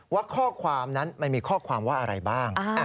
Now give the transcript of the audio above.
ว่าข้อความนั้นมันมีข้อความว่าอะไรบ้าง